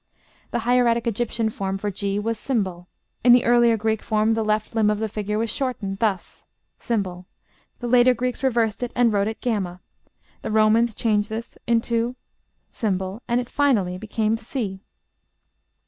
The hieratic Egyptian figure for g was ###; in the earlier Greek form the left limb of the figure was shortened, thus, ###; the later Greeks reversed it, and wrote it ###; the Romans, changed this into ### and it finally became C.